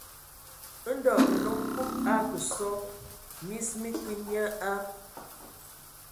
Ndɔ nnom Kub a kǝ sɔ, mis mǝ kǝǝ nye a.